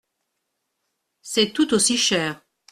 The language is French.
C’est tout aussi cher.